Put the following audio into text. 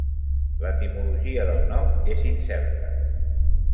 L'etimologia del nom és incerta.